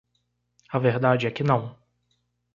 A verdade é que não.